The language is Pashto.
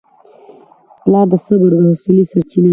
پلار د صبر او حوصلې سرچینه ده.